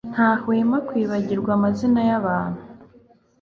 Ntahwema kwibagirwa amazina yabantu